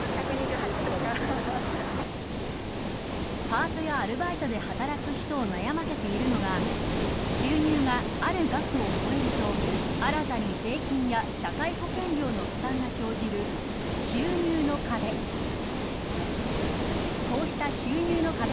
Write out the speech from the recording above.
パートやアルバイトで働く人を悩ませているのが収入がある額を超えると新たに税金や社会保険料の負担が生じる収入の壁。